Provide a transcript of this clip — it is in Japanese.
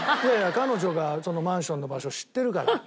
彼女がそのマンションの場所を知ってるから。